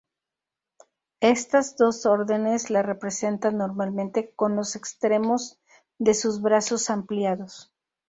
Estas dos órdenes la representan normalmente con los extremos de sus brazos ampliados.